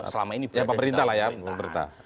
selama ini berada di tengah tengah